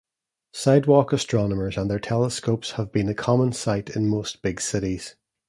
Sidewalk astronomers and their telescopes have been a common sight in most big cities.